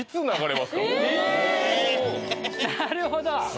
⁉なるほど！